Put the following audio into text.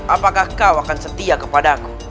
apakah kau akan setia kepada aku